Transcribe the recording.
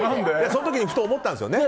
その時にふと思ったんですよね。